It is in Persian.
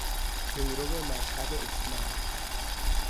پیرو مذهب اسلام